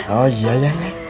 pak mustaqim menunggu di rumah